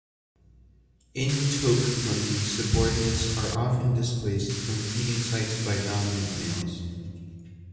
In toque monkeys subordinates are often displaced from feeding sites by dominant males.